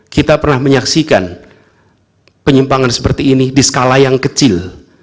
kita pernah menyaksikan penyimpangan seperti ini di skala yang kecil